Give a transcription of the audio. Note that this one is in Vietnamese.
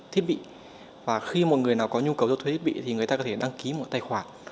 thiết bị và khi một người nào có nhu cầu cho thuê thiết bị thì người ta có thể đăng ký một tài khoản